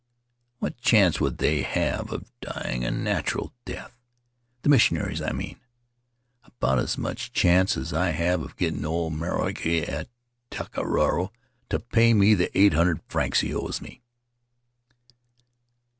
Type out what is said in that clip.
What chance would they have of dying a natural death? The missionaries, I mean. About as much chance as I have of getting old Maroaki at Taka Raro to pay me the eight hundred francs he owes me.